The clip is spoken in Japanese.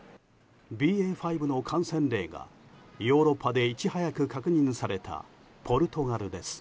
ＢＡ．５の感染例がヨーロッパでいち早く確認されたポルトガルです。